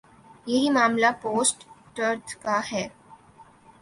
یہی معاملہ post truth کا ہے۔